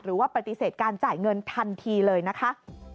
หรือว่าปฏิเสธการจ่ายเงินทันทีเลยนะคะ